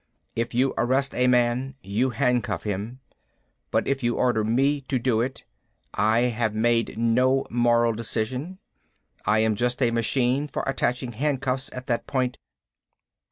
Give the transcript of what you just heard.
If you arrest a man you handcuff him. But if you order me to do it, I have made no moral decision. I am just a machine for attaching handcuffs at that point